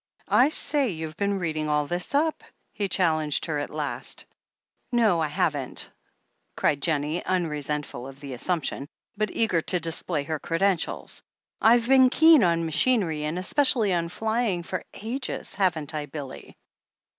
"I say, you've been reading all this up," he chal lenged her at last. "No, I haven't," cried Jennie, unresentful of the assumption, but eager to display her credentials. "I've been keen on machinery, and especially on flying, for ages — ^haven't I, Billy?"